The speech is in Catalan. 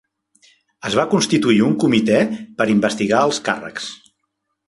Es va constituir un comitè per investigar els càrrecs.